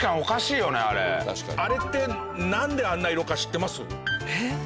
あれってなんであんな色か知ってます？